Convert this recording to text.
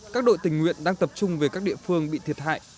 các đội tình nguyện đang tập trung về các địa phương bị thiệt hại